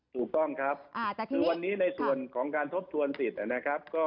ถูกต้องครับวันนี้ในการทบสวนสิทธิ์